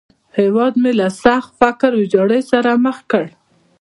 هېواد یې له سخت فقر او ویجاړۍ سره مخ کړ.